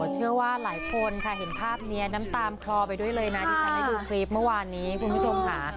เชื่อว่าหลายคนค่ะเห็นภาพนี้น้ำตาลคลอไปด้วยเลยนะที่ฉันได้ดูคลิปเมื่อวานนี้คุณผู้ชมค่ะ